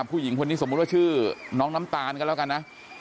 ผู้หญิงคนนี้สมมุติว่าชื่อน้องน้ำตาลกันแล้วกันนะ